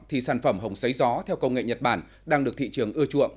thì sản phẩm hồng xấy gió theo công nghệ nhật bản đang được thị trường ưa chuộng